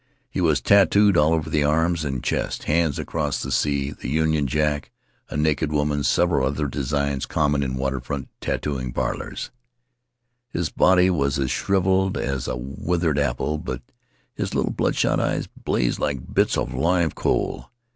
He was tatooed all over the arms and chest — Hands Across the Sea, the Union Jack, a naked woman — several other designs common in waterfront tatooing parlors. "His body was as shriveled as a withered apple, but his little bloodshot eyes blazed like bits of live coal.